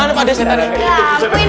kenapa tidak makterin